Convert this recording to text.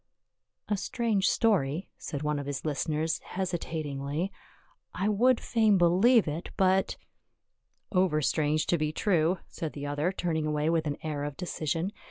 "A strange story," said one of his listeners hesi tatingly. " I would fain believe it, but —"" Over strange to be true," said the other, turning away with an air of decision.